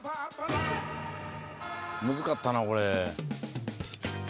［むずかったなこれ］